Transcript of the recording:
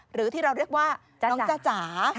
หรือที่เราเรียกว่าน้องจ้าจ๋า